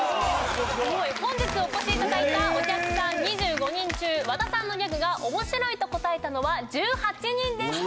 本日お越しいただいたお客さん２５人中和田さんのギャグが面白いと答えたのは１８人でした。